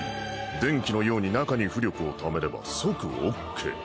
電気のように中に巫力を貯めれば即オッケー。